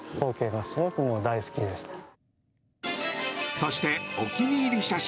そしてお気に入り写真